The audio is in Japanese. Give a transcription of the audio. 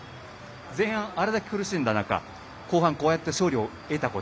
前半にあれだけ苦しんだ中後半、勝利を得たこと。